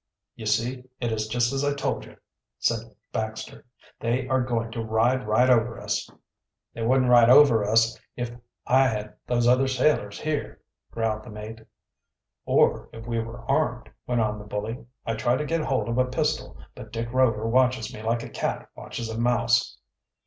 "You see, it is just as I told you," said Baxter. "They are going to ride right over us." "They wouldn't ride over us if I had those other sailors here," growled the mate. "Or if we were armed," went on the bully. "I tried to get hold of a pistol, but Dick Rover watches me like a cat watches a mouse."